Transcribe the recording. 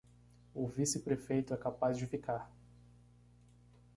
O vice-prefeito é capaz de ficar